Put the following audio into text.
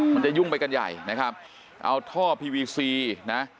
มันจะยุ่งไปกันใหญ่นะครับเอาท่อพีวีซีนะ